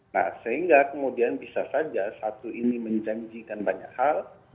nah sehingga kemudian bisa saja satu ini menjanjikan banyak hal